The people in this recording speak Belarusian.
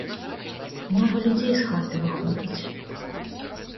Многа людзей з хаты выходзіць.